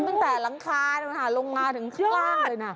ตั้งแต่หลังคาตั้งแต่ลงมาถึงข้างเลยน่ะ